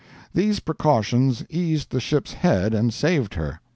These precautions eased the ship's head and saved her.